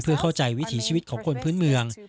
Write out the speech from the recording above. เพื่อเข้าใจวิถีชีวิตของคนพื้นเมือง